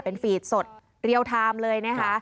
เป็นฟีดสดเรียลไทม์เลยนะคะ